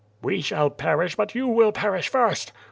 '^ "We shall perish, but you will perish first."